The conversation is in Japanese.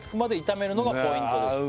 「炒めるのがポイントです」